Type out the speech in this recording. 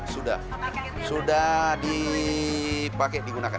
sudah sudah dipakai digunakan